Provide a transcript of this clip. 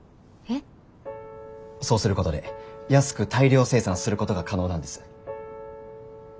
そうすることで安く大量生産することが可能なんです。